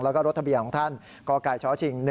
แล้วก็รถทะเบียนของท่านกกชชิง๑